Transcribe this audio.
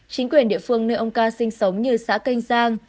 chính quyền địa phương nơi ông ca sinh sống như xã kênh giang